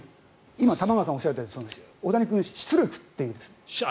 今玉川さんがおっしゃったように大谷君は出力と言うんです。